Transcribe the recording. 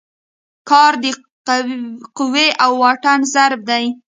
کار د قوې او واټن ضرب دی.